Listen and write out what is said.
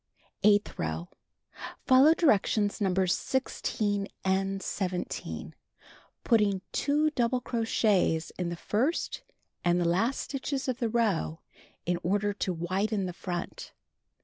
Eighth row: Follow direction Nos. 16 and 17, putting 2 double crochets in the first and the last stitches of the row in order to widen the front.